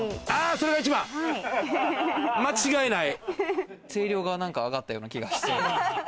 それが一番間違いない。